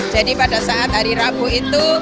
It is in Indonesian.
jadi pada saat hari rabu itu